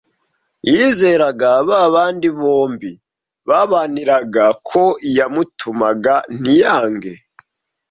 yizeraga ba bandi bombi; babaniraga ko yamutumaga ntiyange